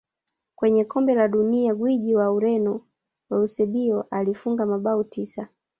Kwenye kombe la dunia gwiji wa ureno eusebio alifunga mabao tisa